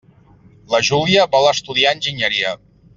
La Júlia vol estudiar enginyeria.